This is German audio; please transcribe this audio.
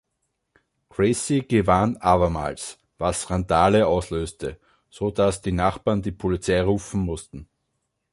Gracie gewann abermals, was Randale auslöste, sodass die Nachbarn die Polizei rufen mussten.